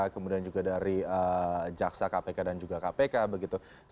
kemudian juga dari jaksa kpk dan juga kpk begitu